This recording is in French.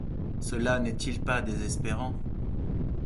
Cela n’est-il pas désespérant?